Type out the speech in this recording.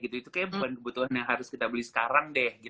itu kayaknya bukan kebutuhan yang harus kita beli sekarang deh